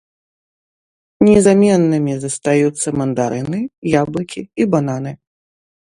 Незаменнымі застаюцца мандарыны, яблыкі і бананы.